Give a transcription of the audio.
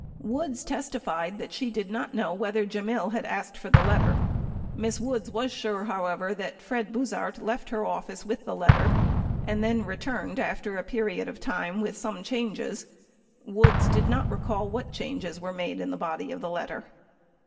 94 Woods testified that she did not know whether Gemmill had asked for the letter. Miss Woods was sure, however, that Fred Buzhardt left her office with the letter and then returned, after a period of time, with some changes. 95 Woods did not recall Avhat changes were made in the body of the letter.